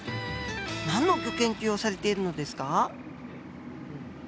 何のギョ研究をされているのですか？